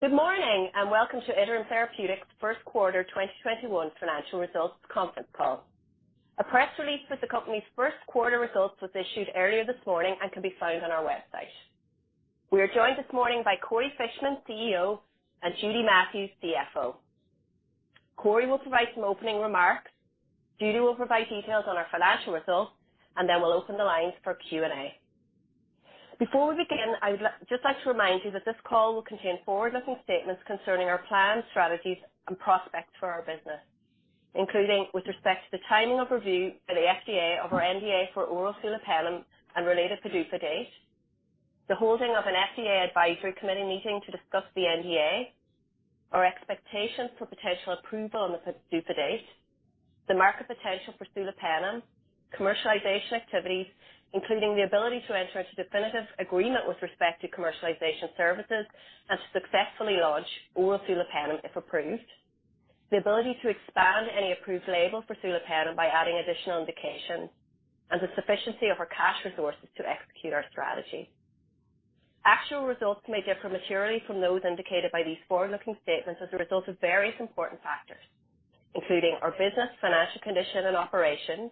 Good morning, and welcome to Iterum Therapeutics' first quarter 2021 financial results conference call. A press release with the company's first quarter results was issued earlier this morning and can be found on our website. We are joined this morning by Corey Fishman, CEO, and Judy Matthews, CFO. Corey will provide some opening remarks. Judy will provide details on our financial results, and then we'll open the lines for Q&A. Before we begin, I would just like to remind you that this call will contain forward-looking statements concerning our plans, strategies, and prospects for our business. Including with respect to the timing of review by the FDA of our NDA for oral sulopenem and related PDUFA date. The holding of an FDA advisory committee meeting to discuss the NDA. Our expectations for potential approval on the PDUFA date. The market potential for sulopenem. Commercialization activities, including the ability to enter into definitive agreement with respect to commercialization services and to successfully launch oral sulopenem, if approved. The ability to expand any approved label for sulopenem by adding additional indications. The sufficiency of our cash resources to execute our strategy. Actual results may differ materially from those indicated by these forward-looking statements as a result of various important factors, including our business, financial condition, and operations.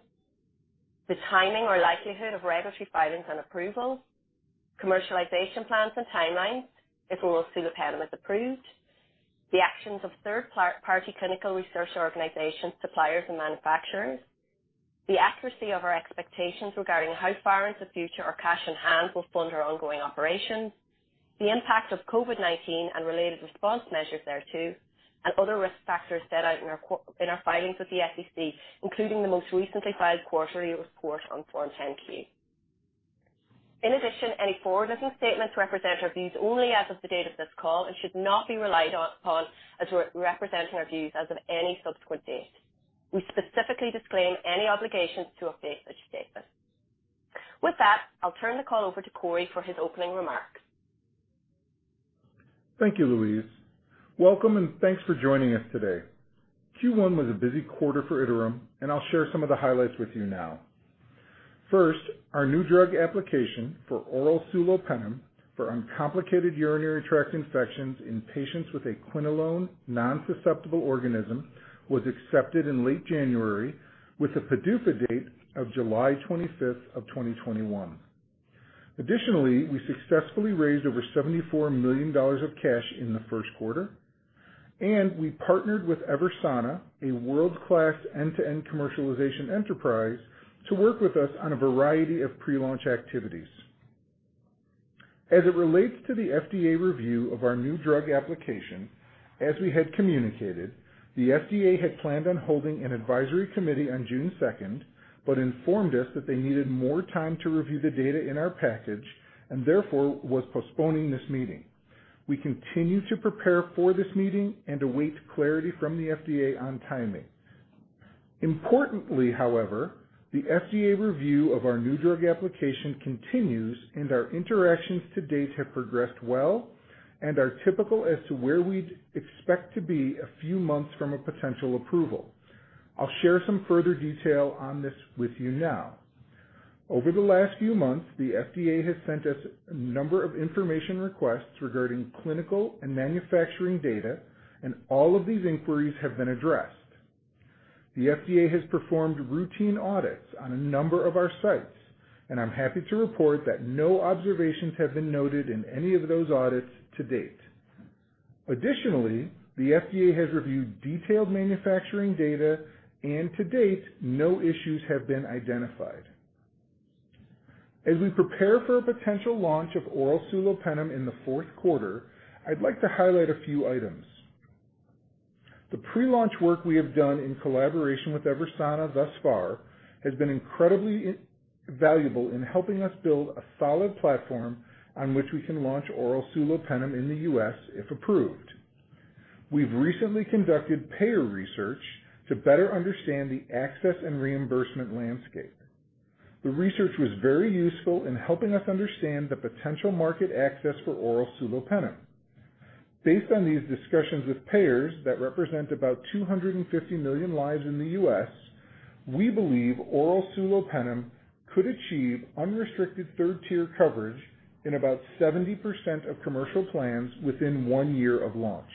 The timing or likelihood of regulatory filings and approvals. Commercialization plans and timelines, if oral sulopenem is approved. The actions of third-party clinical research organizations, suppliers, and manufacturers. The accuracy of our expectations regarding how far into the future our cash on hand will fund our ongoing operations. The impact of COVID-19 and related response measures thereto. Other risk factors set out in our filings with the SEC, including the most recently filed quarterly report on Form 10-Q. In addition, any forward-looking statements represent our views only as of the date of this call and should not be relied upon as representing our views as of any subsequent date. We specifically disclaim any obligations to update such statements. With that, I'll turn the call over to Corey for his opening remarks. Thank you, Louise. Welcome, and thanks for joining us today. Q1 was a busy quarter for Iterum, and I'll share some of the highlights with you now. First, our new drug application for oral sulopenem for uncomplicated urinary tract infections in patients with a quinolone non-susceptible organism was accepted in late January with a PDUFA date of July 25th, 2021. Additionally, we successfully raised over $74 million of cash in the first quarter, and we partnered with EVERSANA, a world-class end-to-end commercialization enterprise, to work with us on a variety of pre-launch activities. As it relates to the FDA review of our new drug application, as we had communicated, the FDA had planned on holding an advisory committee on June 2nd, but informed us that they needed more time to review the data in our package, and therefore, was postponing this meeting. We continue to prepare for this meeting and await clarity from the FDA on timing. Importantly, however, the FDA review of our new drug application continues, and our interactions to date have progressed well and are typical as to where we'd expect to be a few months from a potential approval. I'll share some further detail on this with you now. Over the last few months, the FDA has sent us a number of information requests regarding clinical and manufacturing data, and all of these inquiries have been addressed. The FDA has performed routine audits on a number of our sites, and I'm happy to report that no observations have been noted in any of those audits to date. Additionally, the FDA has reviewed detailed manufacturing data, and to date, no issues have been identified. As we prepare for a potential launch of oral sulopenem in the fourth quarter, I'd like to highlight a few items. The pre-launch work we have done in collaboration with EVERSANA thus far has been incredibly valuable in helping us build a solid platform on which we can launch oral sulopenem in the U.S., if approved. We've recently conducted payer research to better understand the access and reimbursement landscape. The research was very useful in helping us understand the potential market access for oral sulopenem. Based on these discussions with payers that represent about 250 million lives in the U.S., we believe oral sulopenem could achieve unrestricted third-tier coverage in about 70% of commercial plans within one year of launch.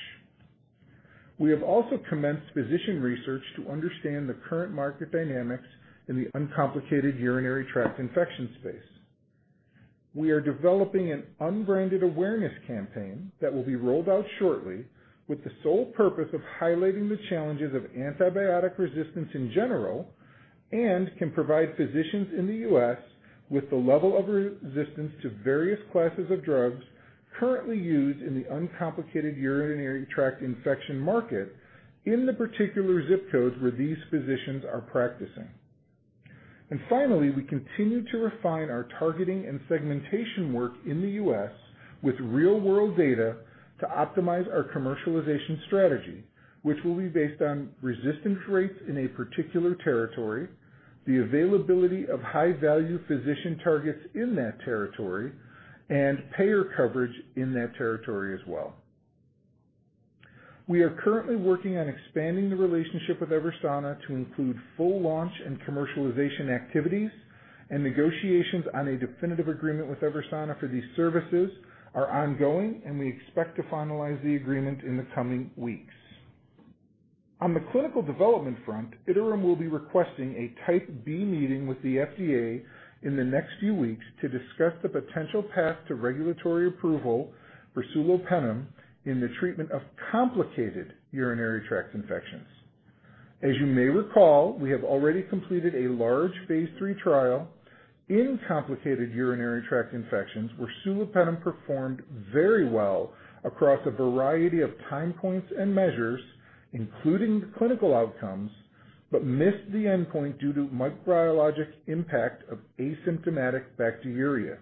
We have also commenced physician research to understand the current market dynamics in the uncomplicated urinary tract infection space. We are developing an unbranded awareness campaign that will be rolled out shortly with the sole purpose of highlighting the challenges of antibiotic resistance in general. Can provide physicians in the U.S. with the level of resistance to various classes of drugs currently used in the uncomplicated urinary tract infection market in the particular ZIP codes where these physicians are practicing. Finally, we continue to refine our targeting and segmentation work in the U.S. with real-world data to optimize our commercialization strategy. Which will be based on resistance rates in a particular territory, the availability of high-value physician targets in that territory, and payer coverage in that territory as well. We are currently working on expanding the relationship with EVERSANA to include full launch and commercialization activities, and negotiations on a definitive agreement with EVERSANA for these services are ongoing, and we expect to finalize the agreement in the coming weeks. On the clinical development front, Iterum will be requesting a Type B meeting with the FDA in the next few weeks to discuss the potential path to regulatory approval for sulopenem in the treatment of complicated urinary tract infections. As you may recall, we have already completed a large phase III trial in complicated urinary tract infections where sulopenem performed very well across a variety of time points and measures, including the clinical outcomes, but missed the endpoint due to microbiologic impact of asymptomatic bacteriuria.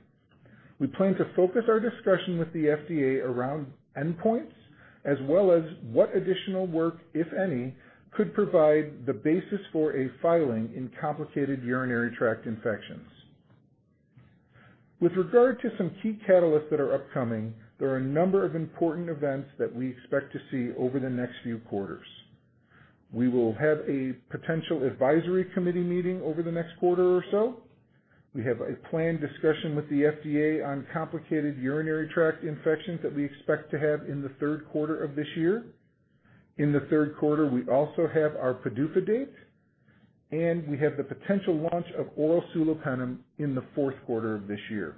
We plan to focus our discussion with the FDA around endpoints, as well as what additional work, if any, could provide the basis for a filing in complicated urinary tract infections. With regard to some key catalysts that are upcoming, there are a number of important events that we expect to see over the next few quarters. We will have a potential advisory committee meeting over the next quarter or so. We have a planned discussion with the FDA on complicated urinary tract infections that we expect to have in the third quarter of this year. In the third quarter, we also have our PDUFA date, and we have the potential launch of oral sulopenem in the fourth quarter of this year.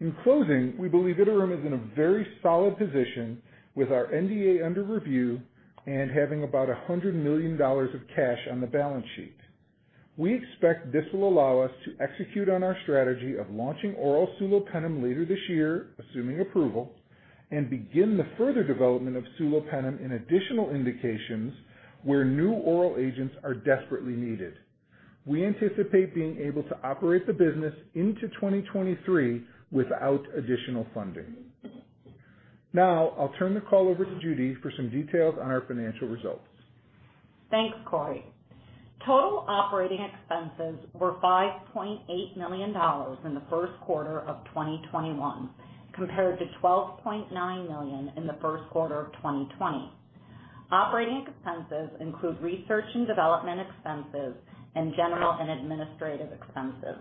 In closing, we believe Iterum is in a very solid position with our NDA under review and having about $100 million of cash on the balance sheet. We expect this will allow us to execute on our strategy of launching oral sulopenem later this year, assuming approval, and begin the further development of sulopenem in additional indications where new oral agents are desperately needed. We anticipate being able to operate the business into 2023 without additional funding. Now, I'll turn the call over to Judy for some details on our financial results. Thanks, Corey. Total operating expenses were $5.8 million in the first quarter of 2021 compared to $12.9 million in the first quarter of 2020. Operating expenses include research and development expenses and general and administrative expenses.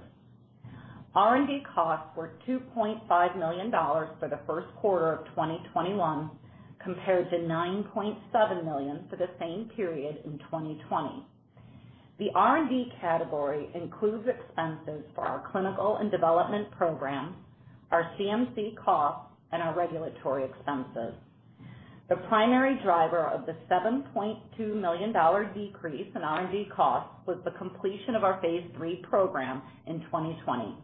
R&D costs were $2.5 million for the first quarter of 2021 compared to $9.7 million for the same period in 2020. The R&D category includes expenses for our clinical and development program, our CMC costs, and our regulatory expenses. The primary driver of the $7.2 million decrease in R&D costs was the completion of our phase III program in 2020.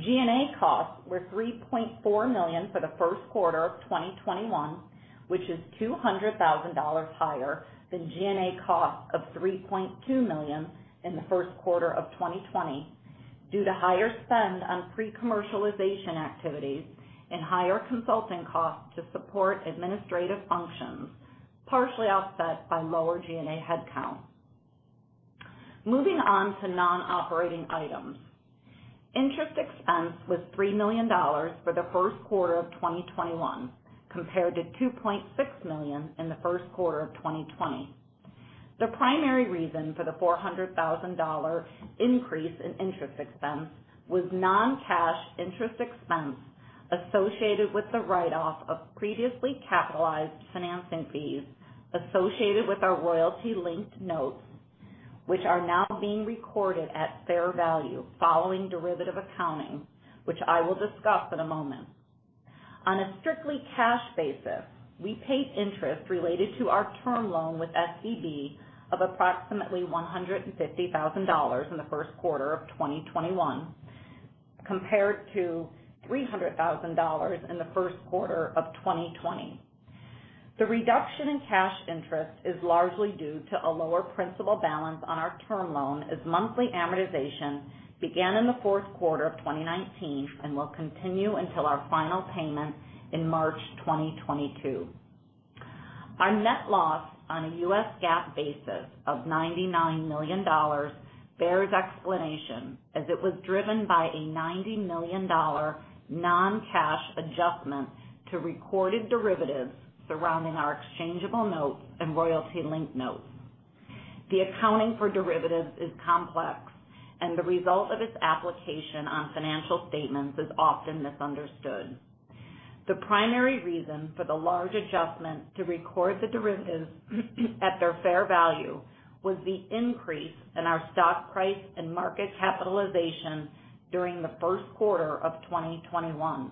G&A costs were $3.4 million for the first quarter of 2021, which is $200,000 higher than G&A costs of $3.2 million in the first quarter of 2020 due to higher spend on pre-commercialization activities and higher consulting costs to support administrative functions, partially offset by lower G&A headcount. Moving on to non-operating items. Interest expense was $3 million for the first quarter of 2021 compared to $2.6 million in the first quarter of 2020. The primary reason for the $400,000 increase in interest expense was non-cash interest expense associated with the write-off of previously capitalized financing fees associated with our royalty linked notes, which are now being recorded at fair value following derivative accounting, which I will discuss in a moment. On a strictly cash basis, we paid interest related to our term loan with SEB of approximately $150,000 in the first quarter of 2021 compared to $300,000 in the first quarter of 2020. The reduction in cash interest is largely due to a lower principal balance on our term loan as monthly amortization began in the fourth quarter of 2019 and will continue until our final payment in March 2022. Our net loss on a US GAAP basis of $99 million bears explanation as it was driven by a $90 million non-cash adjustment to recorded derivatives surrounding our exchangeable notes and royalty-linked notes. The accounting for derivatives is complex, and the result of its application on financial statements is often misunderstood. The primary reason for the large adjustment to record the derivatives at their fair value was the increase in our stock price and market capitalization during the first quarter of 2021.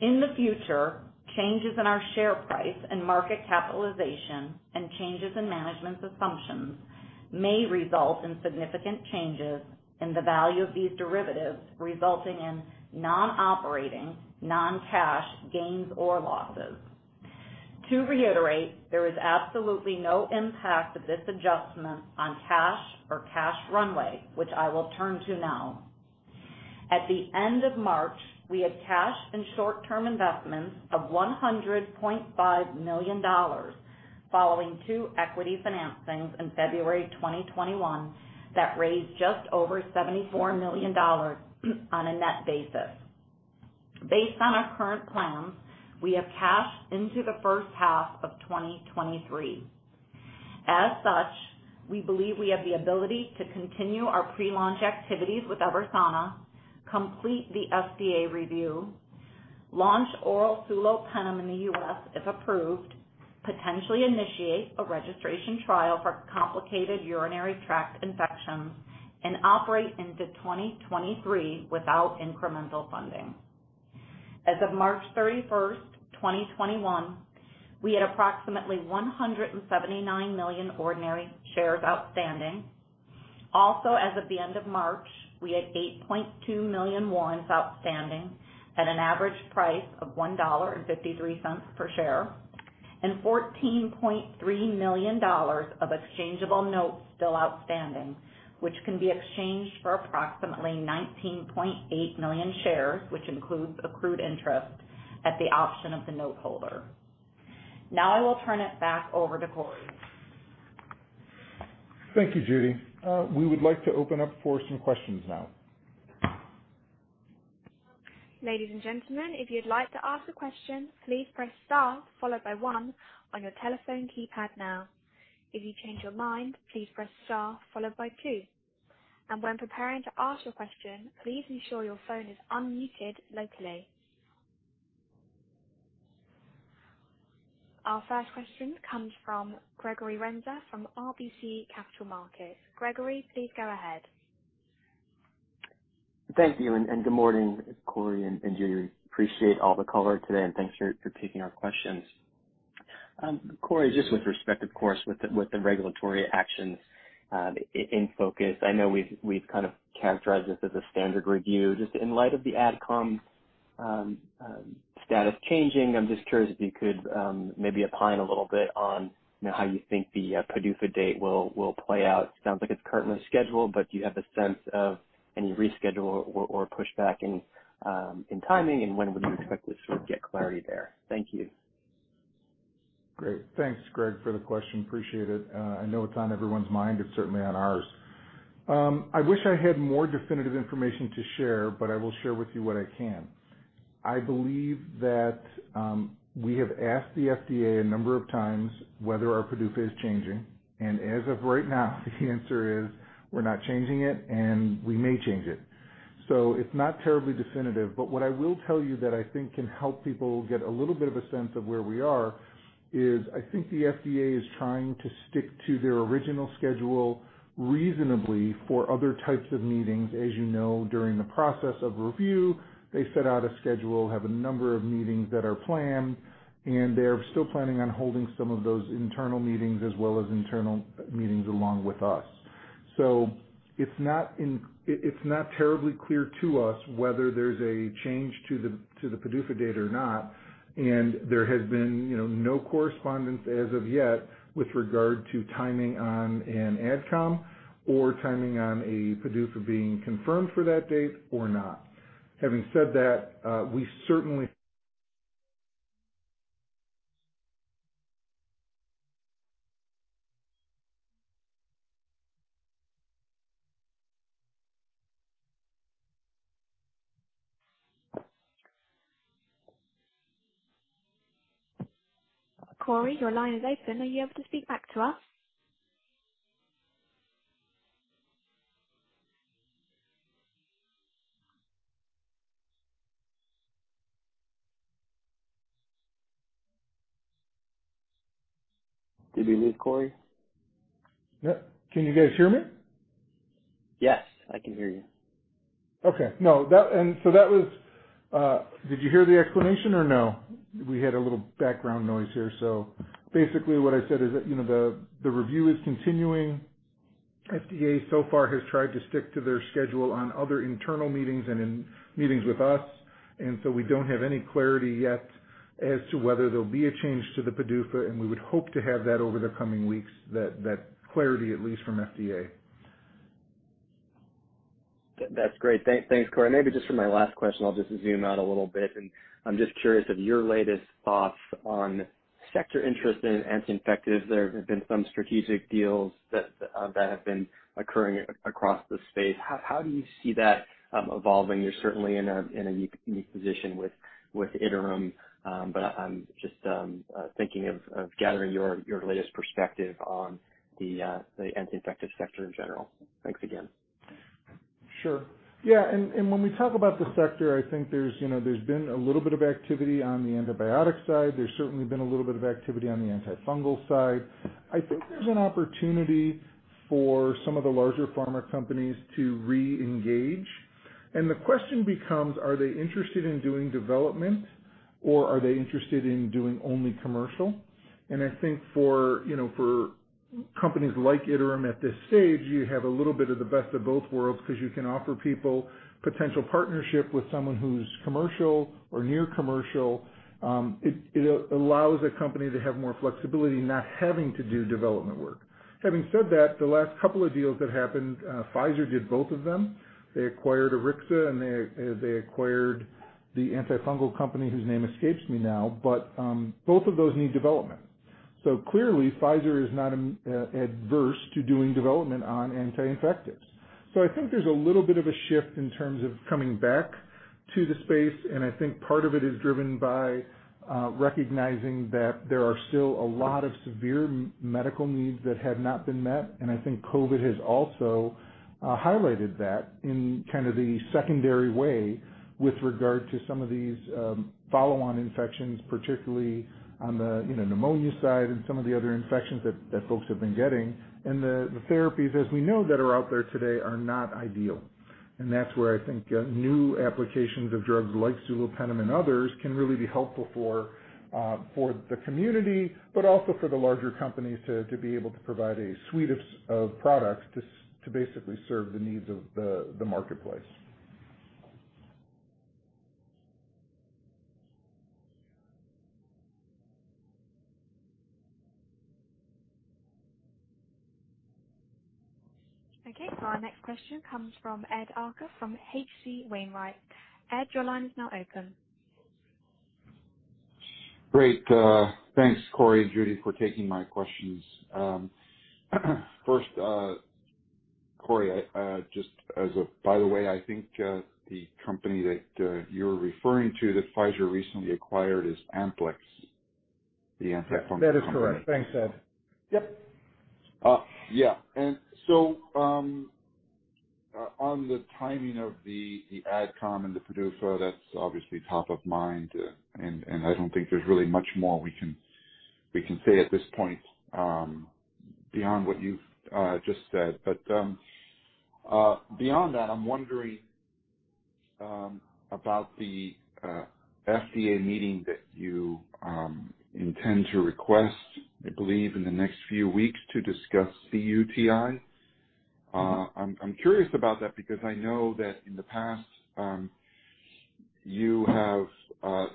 In the future, changes in our share price and market capitalization and changes in management's assumptions may result in significant changes in the value of these derivatives, resulting in non-operating non-cash gains or losses. To reiterate, there is absolutely no impact of this adjustment on cash or cash runway, which I will turn to now. At the end of March, we had cash and short-term investments of $100.5 million. Following two equity financings in February 2021 that raised just over $74 million on a net basis. Based on our current plans, we have cash into the first half of 2023. As such, we believe we have the ability to continue our pre-launch activities with EVERSANA, complete the FDA review, launch oral sulopenem in the US, if approved, potentially initiate a registration trial for complicated urinary tract infections, and operate into 2023 without incremental funding. As of March 31st, 2021, we had approximately 179 million ordinary shares outstanding. Also, as of the end of March, we had 8.2 million warrants outstanding at an average price of $1.53 per share and $14.3 million of exchangeable notes still outstanding, which can be exchanged for approximately 19.8 million shares, which includes accrued interest at the option of the note holder. Now I will turn it back over to Corey. Thank you, Judy. We would like to open up for some questions now. Our first question comes from Gregory Renza from RBC Capital Markets. Gregory, please go ahead. Thank you, and good morning, Corey and Judy. Appreciate all the color today. Thanks for taking our questions. Corey, just with respect, of course, with the regulatory actions in focus, I know we've kind of characterized this as a standard review. Just in light of the AdCom status changing, I'm just curious if you could maybe opine a little bit on how you think the PDUFA date will play out. Sounds like it's currently scheduled, but do you have a sense of any reschedule or pushback in timing, and when would you expect to sort of get clarity there? Thank you. Great. Thanks, Greg, for the question. Appreciate it. I know it's on everyone's mind. It's certainly on ours. I wish I had more definitive information to share, but I will share with you what I can. I believe that we have asked the FDA a number of times whether our PDUFA is changing, and as of right now, the answer is we're not changing it, and we may change it. It's not terribly definitive, but what I will tell you that I think can help people get a little bit of a sense of where we are is I think the FDA is trying to stick to their original schedule reasonably for other types of meetings. As you know, during the process of review, they set out a schedule, have a number of meetings that are planned. They're still planning on holding some of those internal meetings as well as internal meetings along with us. It's not terribly clear to us whether there's a change to the PDUFA date or not. There has been no correspondence as of yet with regard to timing on an AdCom or timing on a PDUFA being confirmed for that date or not. Corey, your line is open. Are you able to speak back to us? Did we lose Corey? No. Can you guys hear me? Yes, I can hear you. Okay. Did you hear the explanation or no? We had a little background noise here. Basically what I said is that the review is continuing. FDA so far has tried to stick to their schedule on other internal meetings and in meetings with us. We don't have any clarity yet as to whether there'll be a change to the PDUFA. We would hope to have that over the coming weeks, that clarity at least from FDA. That's great. Thanks, Corey. Maybe just for my last question, I'll just zoom out a little bit. I'm just curious of your latest thoughts on sector interest in anti-infectives. There have been some strategic deals that have been occurring across the space. How do you see that evolving? You're certainly in a unique position with Iterum. I'm just thinking of gathering your latest perspective on the anti-infective sector in general. Thanks again. Sure. Yeah, when we talk about the sector, I think there's been a little bit of activity on the antibiotic side. There's certainly been a little bit of activity on the antifungal side. I think there's an opportunity for some of the larger pharma companies to re-engage. The question becomes: Are they interested in doing development or are they interested in doing only commercial? I think for companies like Iterum at this stage, you have a little bit of the best of both worlds because you can offer people potential partnership with someone who's commercial or near commercial. It allows a company to have more flexibility not having to do development work. Having said that, the last couple of deals that happened, Pfizer did both of them. They acquired Arixa, and they acquired the antifungal company whose name escapes me now. Both of those need development. Clearly, Pfizer is not adverse to doing development on anti-infectives. I think there's a little bit of a shift in terms of coming back to the space, and I think part of it is driven by recognizing that there are still a lot of severe medical needs that have not been met. I think COVID has also highlighted that in the secondary way with regard to some of these follow-on infections, particularly on the pneumonia side and some of the other infections that folks have been getting. The therapies, as we know, that are out there today are not ideal. That's where I think new applications of drugs like sulopenem and others can really be helpful for the community, but also for the larger companies to be able to provide a suite of products to basically serve the needs of the marketplace. Okay. Our next question comes from Ed Arce from H.C. Wainwright. Ed, your line is now open. Great. Thanks, Corey and Judy, for taking my questions. First, Corey, just as a by the way, I think, the company that you were referring to that Pfizer recently acquired is Amplyx, the anti-fungal company. That is correct. Thanks, Ed. Yep. Yeah. On the timing of the AdCom and the PDUFA, that's obviously top of mind, and I don't think there's really much more we can say at this point beyond what you've just said. Beyond that, I'm wondering about the FDA meeting that you intend to request, I believe, in the next few weeks to discuss cUTI. I'm curious about that because I know that in the past, you have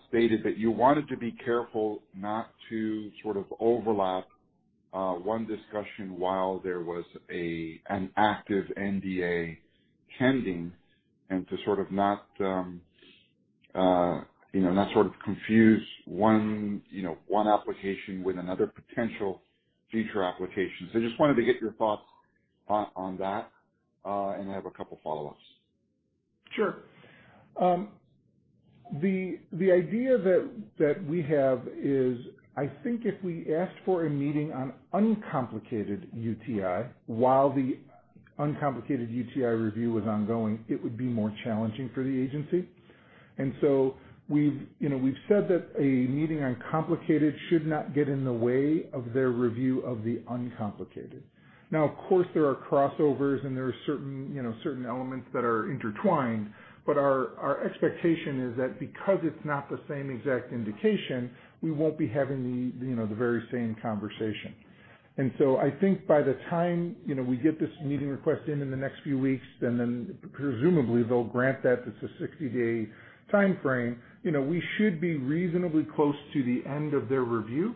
stated that you wanted to be careful not to sort of overlap one discussion while there was an active NDA pending and to not sort of confuse one application with another potential future application. I just wanted to get your thoughts on that, and I have a couple follow-ups. Sure. The idea that we have is, I think if we asked for a meeting on uncomplicated UTI while the uncomplicated UTI review was ongoing, it would be more challenging for the agency. We've said that a meeting on complicated should not get in the way of their review of the uncomplicated. Of course, there are crossovers and there are certain elements that are intertwined. Our expectation is that because it's not the same exact indication, we won't be having the very same conversation. I think by the time we get this meeting request in in the next few weeks, presumably they'll grant that it's a 60-day timeframe. We should be reasonably close to the end of their review.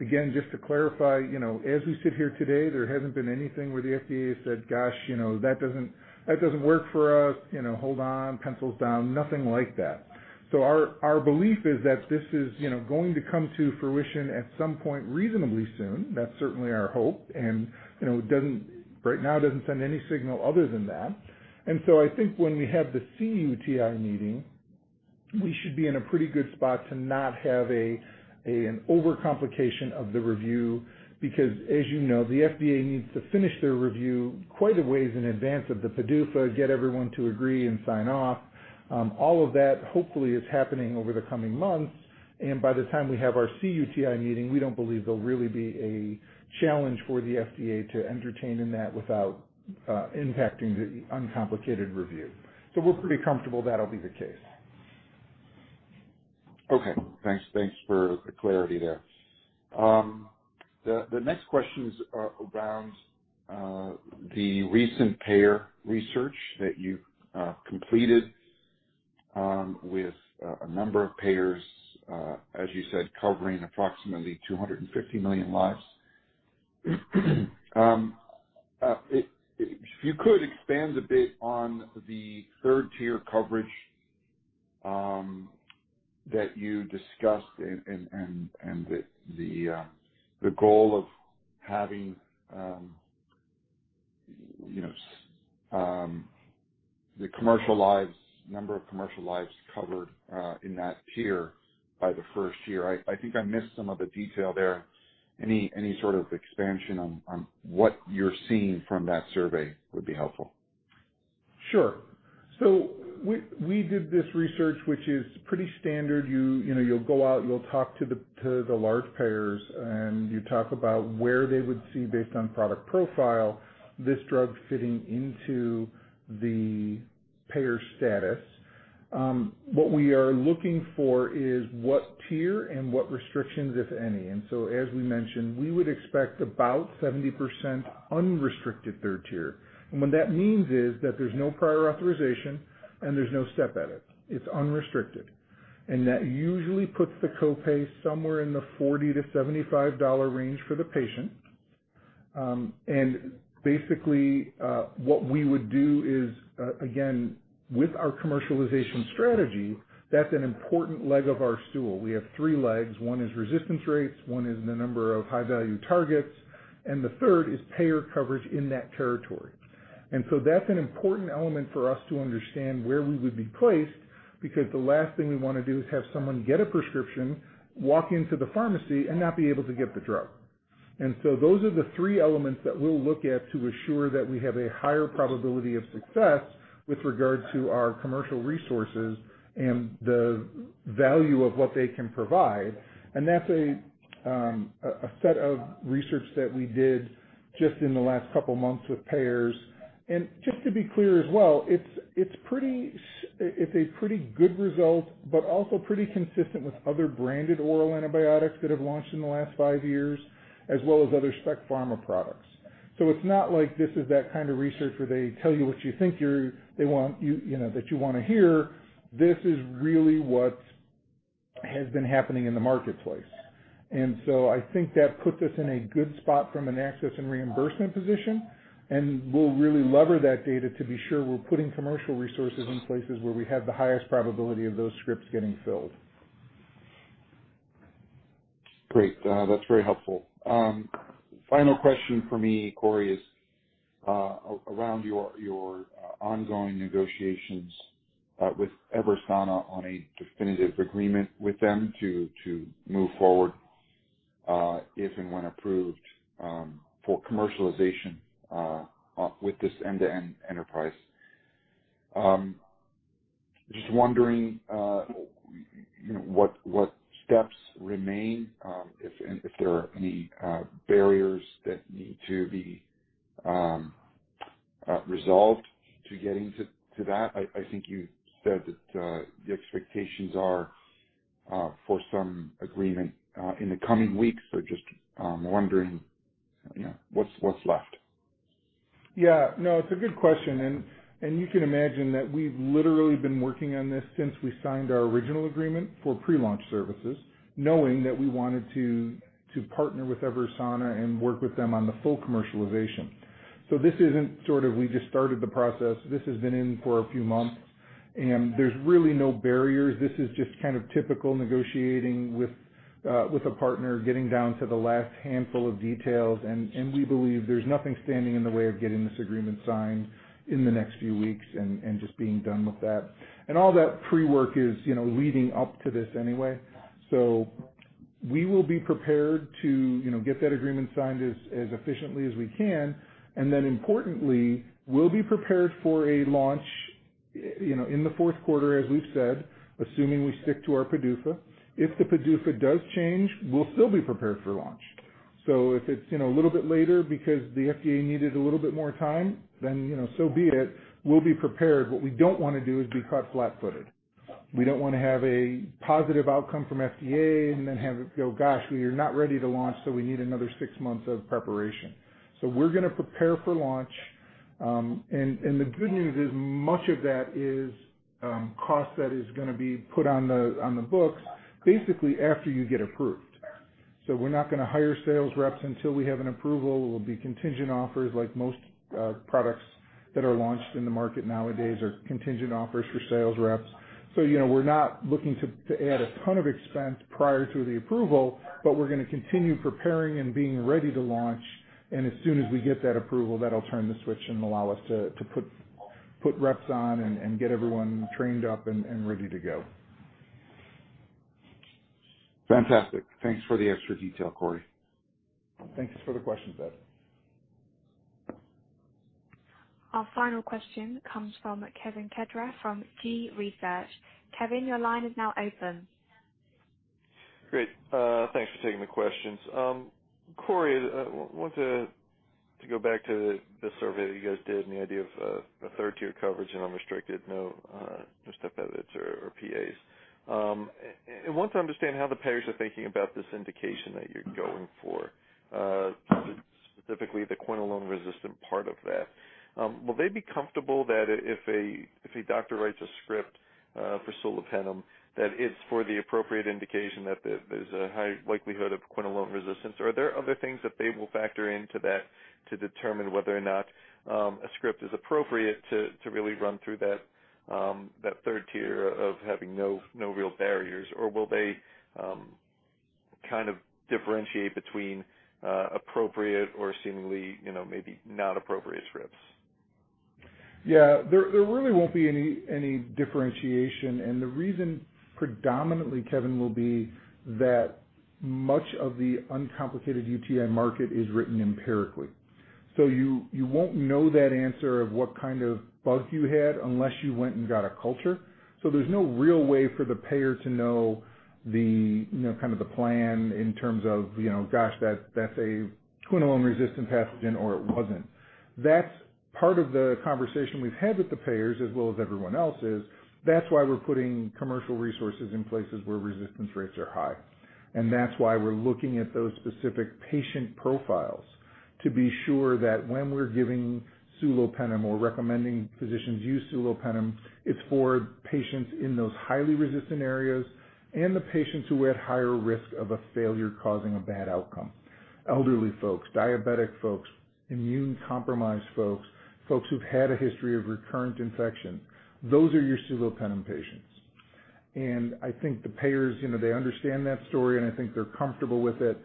Again, just to clarify, as we sit here today, there hasn't been anything where the FDA has said, "Gosh, that doesn't work for us. Hold on, pencils down." Nothing like that. Our belief is that this is going to come to fruition at some point reasonably soon. That's certainly our hope, and right now it doesn't send any signal other than that. I think when we have the cUTI meeting, we should be in a pretty good spot to not have an overcomplication of the review because as you know, the FDA needs to finish their review quite a ways in advance of the PDUFA, get everyone to agree and sign off. All of that hopefully is happening over the coming months, and by the time we have our cUTI meeting, we don't believe there'll really be a challenge for the FDA to entertain in that without impacting the uncomplicated review. We're pretty comfortable that'll be the case. Okay. Thanks for the clarity there. The next question is around the recent payer research that you've completed with a number of payers, as you said, covering approximately 250 million lives. If you could expand a bit on the tier 3 coverage that you discussed and the goal of having the number of commercial lives covered in that tier by the first year. I think I missed some of the detail there. Any sort of expansion on what you're seeing from that survey would be helpful. Sure. We did this research, which is pretty standard. You'll go out, you'll talk to the large payers, and you talk about where they would see, based on product profile, this drug fitting into the payer status. What we are looking for is what tier and what restrictions, if any. As we mentioned, we would expect about 70% unrestricted tier 3. What that means is that there's no prior authorization and there's no step edit. It's unrestricted. That usually puts the copay somewhere in the $40-$75 range for the patient. Basically, what we would do is, again, with our commercialization strategy, that's an important leg of our stool. We have three legs. One is resistance rates, one is the number of high-value targets, and the third is payer coverage in that territory. That's an important element for us to understand where we would be placed, because the last thing we want to do is have someone get a prescription, walk into the pharmacy, and not be able to get the drug. Those are the three elements that we'll look at to assure that we have a higher probability of success with regard to our commercial resources and the value of what they can provide. That's a set of research that we did just in the last couple of months with payers. Just to be clear as well, it's a pretty good result, but also pretty consistent with other branded oral antibiotics that have launched in the last five years, as well as other spec pharma products. It's not like this is that kind of research where they tell you what they think that you want to hear. This is really what has been happening in the marketplace. I think that puts us in a good spot from an access and reimbursement position, and we'll really lever that data to be sure we're putting commercial resources in places where we have the highest probability of those scripts getting filled. Great. That is very helpful. Final question from me, Corey, is around your ongoing negotiations with EVERSANA on a definitive agreement with them to move forward, if and when approved, for commercialization with this end-to-end enterprise. Just wondering what steps remain, if there are any barriers that need to be resolved to getting to that. I think you said that the expectations are for some agreement in the coming weeks. Just wondering what is left. Yeah, no, it's a good question. You can imagine that we've literally been working on this since we signed our original agreement for pre-launch services, knowing that we wanted to partner with EVERSANA and work with them on the full commercialization. This isn't sort of we just started the process. This has been in for a few months, and there's really no barriers. This is just kind of typical negotiating with a partner, getting down to the last handful of details, and we believe there's nothing standing in the way of getting this agreement signed in the next few weeks and just being done with that. All that pre-work is leading up to this anyway. We will be prepared to get that agreement signed as efficiently as we can. Importantly, we'll be prepared for a launch in the fourth quarter, as we've said, assuming we stick to our PDUFA. If the PDUFA does change, we'll still be prepared for launch. If it's a little bit later because the FDA needed a little bit more time, so be it. We'll be prepared. What we don't want to do is be caught flat-footed. We don't want to have a positive outcome from FDA and have it go, "Gosh, we are not ready to launch, we need another six months of preparation." We're going to prepare for launch. The good news is much of that is cost that is going to be put on the books basically after you get approved. We're not going to hire sales reps until we have an approval. It will be contingent offers like most products that are launched in the market nowadays are contingent offers for sales reps. We're not looking to add a ton of expense prior to the approval, but we're going to continue preparing and being ready to launch, and as soon as we get that approval, that'll turn the switch and allow us to put reps on and get everyone trained up and ready to go. Fantastic. Thanks for the extra detail, Corey. Thanks for the question, Arce. Our final question comes from Kevin Kedra from G-Research. Kevin, your line is now open. Great. Thanks for taking the questions. Corey, I want to go back to the survey that you guys did and the idea of a third-tier coverage and unrestricted, no step edits or PAs. I want to understand how the payers are thinking about this indication that you're going for, specifically the quinolone-resistant part of that. Will they be comfortable that if a doctor writes a script for sulopenem, that it's for the appropriate indication that there's a high likelihood of quinolone resistance? Are there other things that they will factor into that to determine whether or not a script is appropriate to really run through that third tier of having no real barriers? Will they kind of differentiate between appropriate or seemingly maybe not appropriate scripts? Yeah. There really won't be any differentiation. The reason predominantly, Kevin, will be that much of the uncomplicated UTI market is written empirically. You won't know that answer of what kind of bug you had unless you went and got a culture. There's no real way for the payer to know the plan in terms of, gosh, that's a quinolone-resistant pathogen or it wasn't. That's part of the conversation we've had with the payers as well as everyone else is, that's why we're putting commercial resources in places where resistance rates are high. That's why we're looking at those specific patient profiles to be sure that when we're giving sulopenem or recommending physicians use sulopenem, it's for patients in those highly resistant areas and the patients who are at higher risk of a failure causing a bad outcome. Elderly folks, diabetic folks, immunocompromised folks who've had a history of recurrent infection. Those are your sulopenem patients. I think the payers, they understand that story, and I think they're comfortable with it.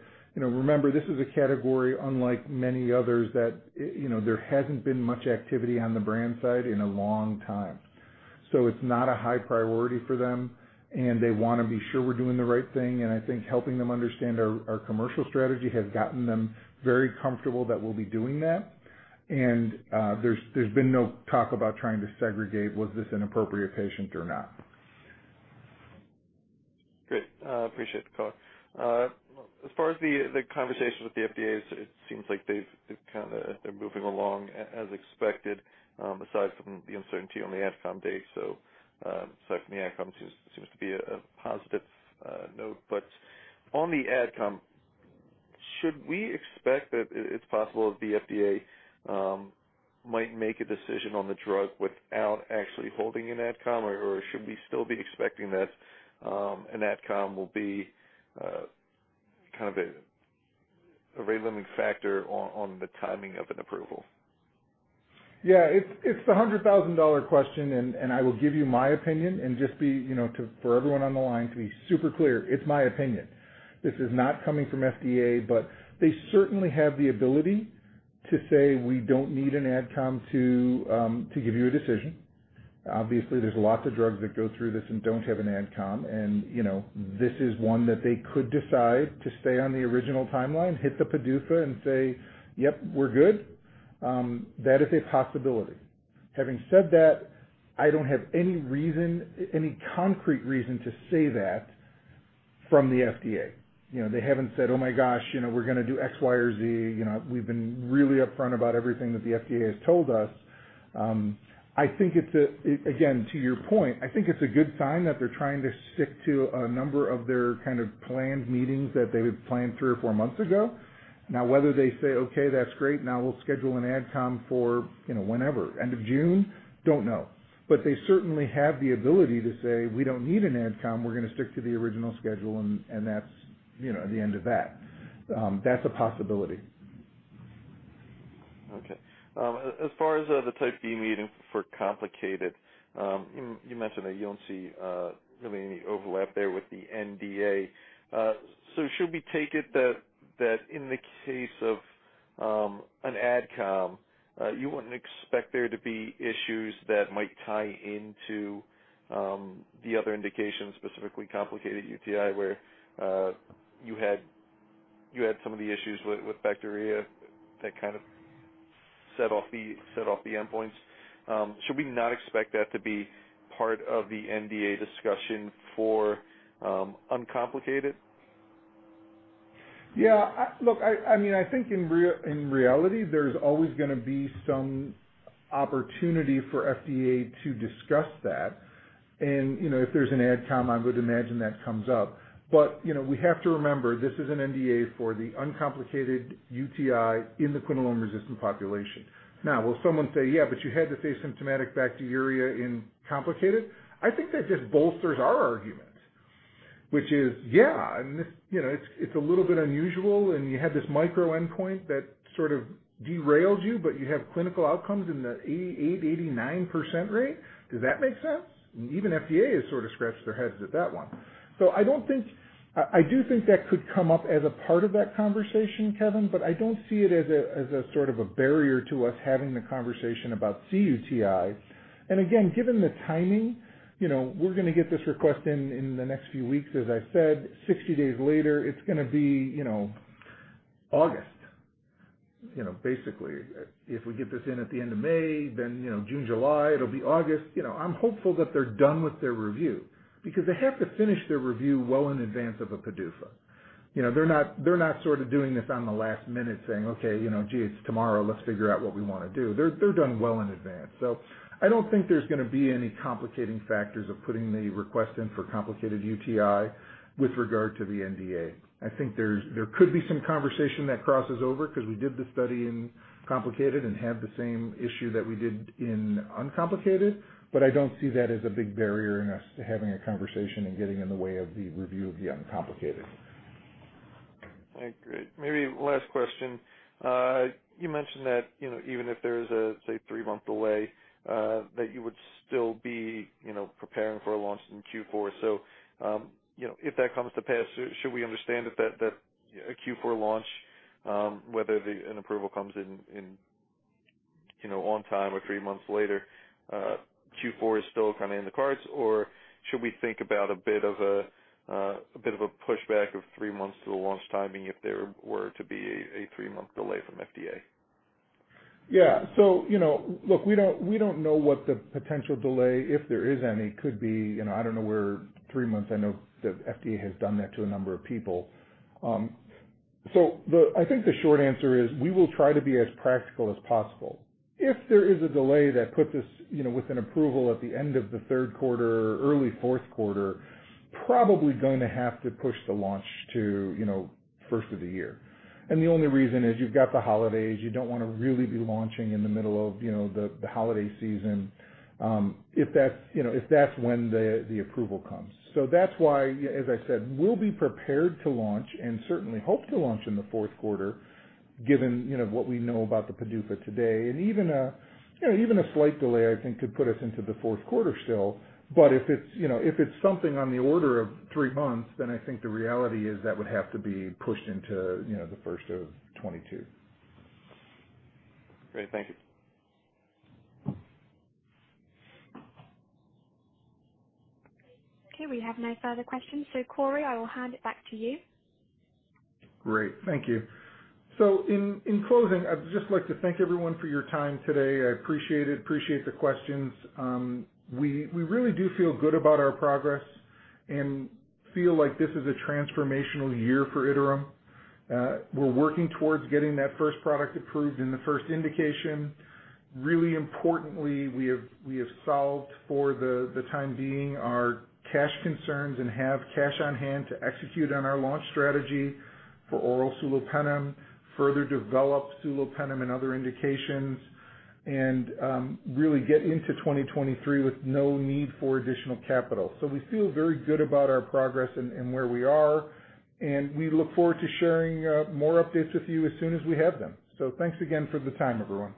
Remember, this is a category unlike many others that there hasn't been much activity on the brand side in a long time. It's not a high priority for them, and they want to be sure we're doing the right thing, and I think helping them understand our commercial strategy has gotten them very comfortable that we'll be doing that. There's been no talk about trying to segregate was this an appropriate patient or not. Great. Appreciate the call. As far as the conversation with the FDA, it seems like they're moving along as expected, aside from the uncertainty on the AdCom date. Aside from the AdCom, seems to be a positive note. On the AdCom, should we expect that it's possible that the FDA might make a decision on the drug without actually holding an AdCom, or should we still be expecting that an AdCom will be a rate limiting factor on the timing of an approval? Yeah. It's the $100,000 question. I will give you my opinion and just for everyone on the line to be super clear, it's my opinion. This is not coming from FDA, but they certainly have the ability to say, "We don't need an AdCom to give you a decision." Obviously, there's lots of drugs that go through this and don't have an AdCom. This is one that they could decide to stay on the original timeline, hit the PDUFA and say, "Yep, we're good." That is a possibility. Having said that, I don't have any concrete reason to say that from the FDA. They haven't said, "Oh my gosh, we're going to do X, Y, or Z." We've been really upfront about everything that the FDA has told us. Again, to your point, I think it's a good sign that they're trying to stick to a number of their planned meetings that they had planned three or four months ago. Now, whether they say, "Okay, that's great. Now we'll schedule an AdCom for whenever. End of June?" Don't know. They certainly have the ability to say, "We don't need an AdCom. We're going to stick to the original schedule," and that's the end of that. That's a possibility. Okay. As far as the Type B meeting for complicated, you mentioned that you don't see really any overlap there with the NDA. Should we take it that in the case of an AdCom, you wouldn't expect there to be issues that might tie into the other indications, specifically complicated UTI, where you had some of the issues with bacteria that set off the endpoints? Should we not expect that to be part of the NDA discussion for uncomplicated? Yeah. Look, I think in reality, there's always going to be some opportunity for FDA to discuss that, and if there's an AdCom, I would imagine that comes up. We have to remember, this is an NDA for the uncomplicated UTI in the quinolone-resistant population. Now, will someone say, "Yeah, but you had to say symptomatic bacteriuria in complicated"? I think that just bolsters our argument, which is, yeah, it's a little bit unusual, and you had this micro endpoint that sort of derailed you, but you have clinical outcomes in the 88%, 89% rate. Does that make sense? Even FDA has sort of scratched their heads at that one. I do think that could come up as a part of that conversation, Kevin, but I don't see it as a barrier to us having the conversation about cUTI. Again, given the timing, we're going to get this request in the next few weeks, as I said. 60 days later, it's going to be August, basically. If we get this in at the end of May, then June, July, it'll be August. I'm hopeful that they're done with their review because they have to finish their review well in advance of a PDUFA. They're not doing this on the last minute saying, "Okay, gee, it's tomorrow, let's figure out what we want to do." They're done well in advance. I don't think there's going to be any complicating factors of putting the request in for complicated UTI with regard to the NDA. I think there could be some conversation that crosses over because we did the study in complicated and had the same issue that we did in uncomplicated, but I don't see that as a big barrier in us having a conversation and getting in the way of the review of the uncomplicated. All right, great. Maybe one last question. You mentioned that even if there is a, say, three-month delay, that you would still be preparing for a launch in Q4. If that comes to pass, should we understand that a Q4 launch, whether an approval comes on time or three months later, Q4 is still in the cards, or should we think about a bit of a pushback of three months to the launch timing if there were to be a three-month delay from FDA? Yeah. Look, we don't know what the potential delay, if there is any, could be. I don't know where three months, I know the FDA has done that to a number of people. I think the short answer is we will try to be as practical as possible. If there is a delay that puts us with an approval at the end of the third quarter or early fourth quarter, probably going to have to push the launch to first of the year. The only reason is you've got the holidays. You don't want to really be launching in the middle of the holiday season, if that's when the approval comes. That's why, as I said, we'll be prepared to launch and certainly hope to launch in the fourth quarter, given what we know about the PDUFA today. Even a slight delay, I think, could put us into the fourth quarter still. If it's something on the order of three months, I think the reality is that would have to be pushed into the first of 2022. Great. Thank you. Okay, we have no further questions, so Corey, I will hand it back to you. Great. Thank you. In closing, I'd just like to thank everyone for your time today. I appreciate it, appreciate the questions. We really do feel good about our progress and feel like this is a transformational year for Iterum. We're working towards getting that first product approved in the first indication. Really importantly, we have solved for the time being our cash concerns and have cash on hand to execute on our launch strategy for oral sulopenem, further develop sulopenem and other indications, and really get into 2023 with no need for additional capital. We feel very good about our progress and where we are, and we look forward to sharing more updates with you as soon as we have them. Thanks again for the time, everyone.